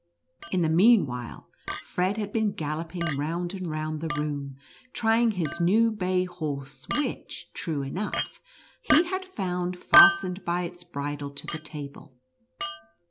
In the meanwhile Fred had been galloping round and round the room, trying his new bay horse, which, true enough, he had found, fast ened by its bridle to the table.